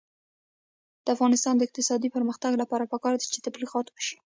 د افغانستان د اقتصادي پرمختګ لپاره پکار ده چې تبلیغات وشي.